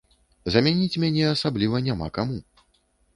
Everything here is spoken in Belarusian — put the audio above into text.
Замяніць мяне асабліва няма каму.